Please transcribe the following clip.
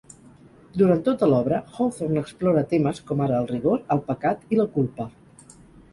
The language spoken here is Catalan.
Durant tota l'obra, Hawthorne explora temes com ara el rigor, el pecat i la culpa.